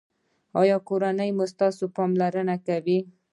ایا کورنۍ مو ستاسو پاملرنه کوي؟